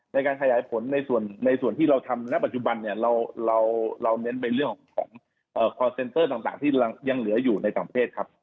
ในการขยายผลในส่วนที่เราทำณปัจจุบันเนี่ยเราเน้นไปเรื่องของคอร์เซ็นเตอร์ต่างที่ยังเหลืออยู่ในต่างประเทศครับ